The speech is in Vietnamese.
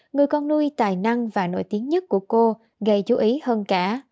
người con nuôi tài năng và nổi tiếng nhất của cô gây chú ý hơn cả